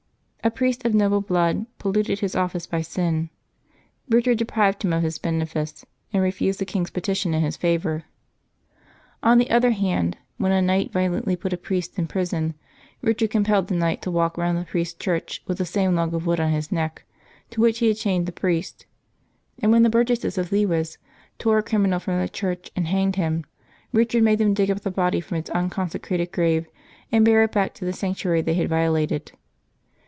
A priest of noble blood pol luted his office by sin; Eichard deprived him of his bene fice, and refused the king's petition in his favor. On the April 4] LIVES OF TEE SAINTS 135 other hand, when a knight violently put a priest in prison, Eichard compelled the knight to walk round the priest's church with the same log of wood on his neck to which he had chained the priest ; and when the hurgesses of Lewes tore a criminal from the church and hanged him, Eichard made them dig up the body from its unconsecratcd grave, and bear it back to the sanctuary they had violated.